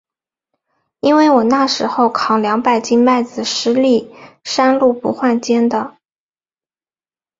因为我那时候，扛两百斤麦子，十里山路不换肩的。